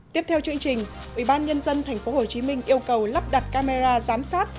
tiếp theo chương trình ubnd tp hcm yêu cầu lắp đặt camera giám sát